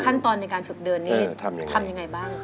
ขั้นตอนในการฝึกเดินนี่ทำยังไงบ้าง